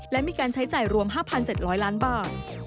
และมีการใช้จ่ายรวม๕๗๐๐ล้านบาท